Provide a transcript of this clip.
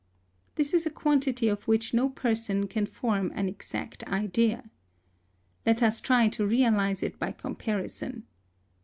* This is a quantity of which no person can form an exact idea. Let us try to reab'se it by comparison.